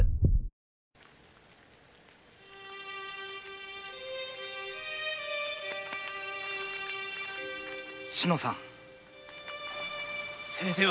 お志乃さん。